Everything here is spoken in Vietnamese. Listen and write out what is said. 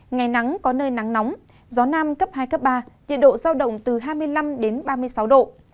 ngày nắng có nơi nắng nóng gió nam cấp hai cấp ba nhiệt độ giao động từ hai mươi năm ba mươi sáu độ